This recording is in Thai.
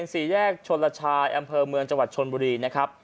ในสี่แยกชนรัชญาอำเผอเมืองจนวัดชนบุรีนะครับ